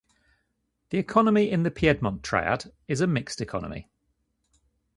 The economy in the Piedmont Triad is a mixed economy.